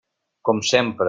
Com sempre.